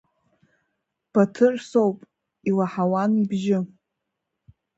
Баҭыр соуп, илаҳауан ибжьы.